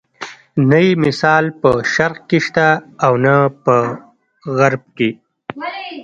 نه یې مثال په شرق کې شته او نه په غرب کې.